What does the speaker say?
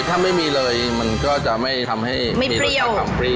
ถ้าไม่มีเลยมันก็จะไม่ทำให้มีรสชาติของฟรี